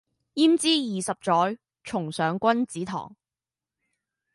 焉知二十載，重上君子堂。